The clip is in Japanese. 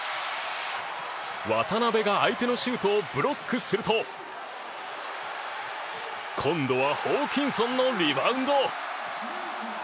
渡邊が相手のシュートをブロックすると今度はホーキンソンのリバウンド。